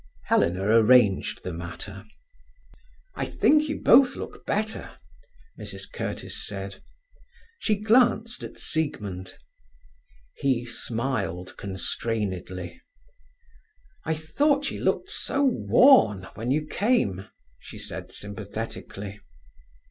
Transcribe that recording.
Helena arranged the matter. "I think ye both look better," Mrs. Curtiss said. She glanced at Siegmund. He smiled constrainedly. "I thought ye looked so worn when you came," she said sympathetically.